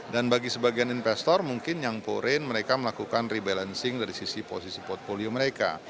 dan bagi sebagian investor mungkin yang foreign mereka melakukan rebalancing dari sisi posisi portfolio mereka